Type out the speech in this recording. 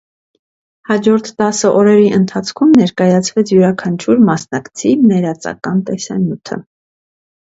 Հաջորդ տասը օրերի ընթացքում ներկայացվեց յուրաքանչյուր մասնակցի ներածական տեսանյութը։